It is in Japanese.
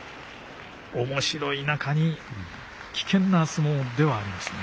おもしろい中に危険な相撲ではありますね。